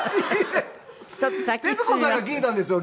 徹子さんが聞いたんですよ